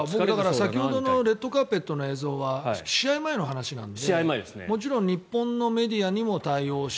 先ほどのレッドカーペットの映像は試合前の話なのでもちろん日本のメディアにも対応し